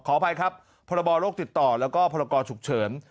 อภัยครับพรบโรคติดต่อแล้วก็พรกรฉุกเฉิน